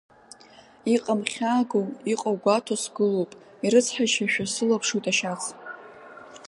Иҟам хьааго, иҟоу гәаҭо сгылоуп, ирыцҳашьашәа сылаԥшуеит ашьац.